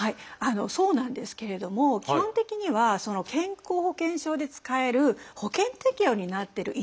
そうなんですけれども基本的には健康保険証で使える保険適用になってる医療費だけなんですよね。